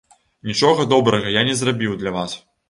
Нічога добрага я не зрабіў для вас.